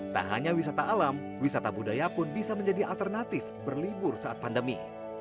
tak hanya wisata alam wisata budaya pun bisa menjadi alternatif berlibur saat pandemi